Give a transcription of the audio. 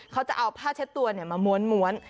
เขาจะเอาผ้าเช็ดตัวมาม้วน